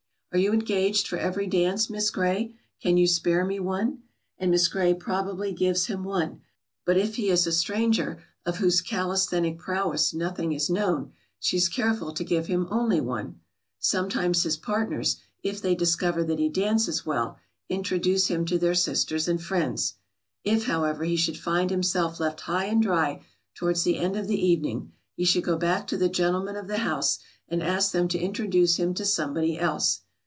"Are you engaged for every dance, Miss Grey? Can you spare me one?" And Miss Grey probably gives him one, but if he is a stranger of whose calisthenic prowess nothing is known, she is careful to give him only one. Sometimes his partners, if they discover that he dances well, introduce him to their sisters and friends. If, however, he should find himself left high and dry towards the end of the evening, he should go back to the gentlemen of the house and ask them to introduce him to somebody else.